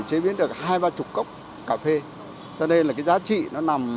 cho nên là cái giá trị nó nằm